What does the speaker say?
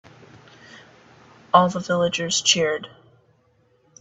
All the villagers cheered.